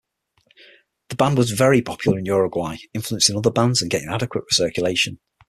The band was very popular in Uruguay, influencing other bands and getting adequate circulation.